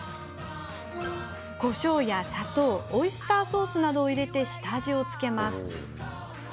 こしょうや砂糖オイスターソースなどを入れて下味を付けます。